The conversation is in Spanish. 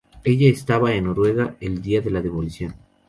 Ella estaba en Noruega el día de la demolición.